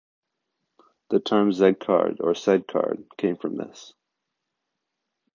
The terms Zed Card or Sed Card came from this.